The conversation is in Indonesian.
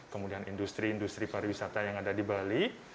kemudian industri industri pariwisata yang ada di bali